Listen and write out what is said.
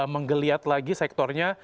menggeliat lagi sektornya